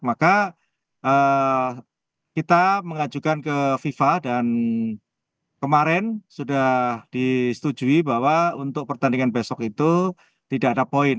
maka kita mengajukan ke fifa dan kemarin sudah disetujui bahwa untuk pertandingan besok itu tidak ada poin